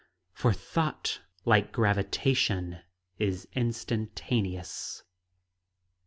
For thought, like gravitation, is instantaneous.